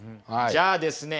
じゃあですね